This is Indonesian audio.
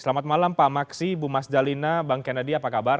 selamat malam pak maksi bu mas dalina bang kennedy apa kabar